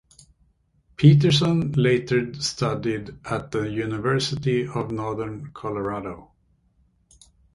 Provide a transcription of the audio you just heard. Peterson later studied at the University of Northern Colorado.